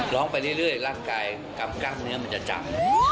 ร้องไปเรื่อยร่างกายกำกับเนื้อมันจะจับ